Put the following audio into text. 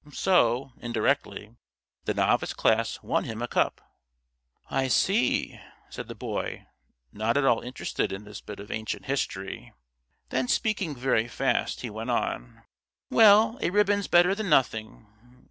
So, indirectly, the Novice Class won him a cup." "I see," said the Boy, not at all interested in this bit of ancient history. Then speaking very fast, he went on: "Well, a ribbon's better than nothing!